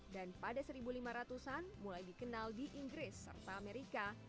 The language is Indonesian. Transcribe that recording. dan pada seribu lima ratus an mulai dikenal di inggris serta amerika